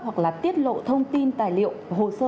hoặc là tiết lộ thông tin tài liệu hồ sơ